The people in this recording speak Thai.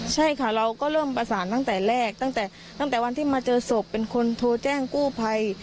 ใช่ค่ะเราก็เริ่มประสานตั้งแต่แรกตั้งแต่ตั้งแต่วันที่มาเจอศพเป็นคนโทรแจ้งกู้ภัย